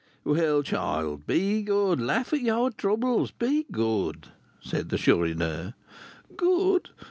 "Well, child, be good laugh at your troubles be good," said the Chourineur. "Good!